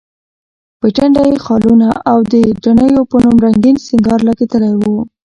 په ټنډه یې خالونه، او د دڼیو په نوم رنګین سینګار لګېدلی و.